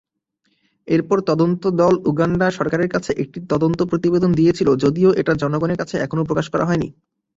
এরপর তদন্ত দল উগান্ডা সরকারের কাছে একটি তদন্ত প্রতিবেদন দিয়েছিল যদিও এটা জনগণের কাছে এখনো প্রকাশ করা হয়নি।